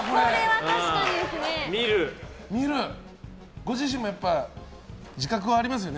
ご自身もやっぱり自覚はありますよね。